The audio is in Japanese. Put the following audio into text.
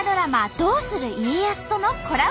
「どうする家康」とのコラボ